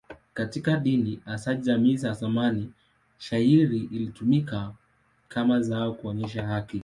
Katika dini, hasa jamii za zamani, shayiri ilitumika kama zao kuonyesha haki.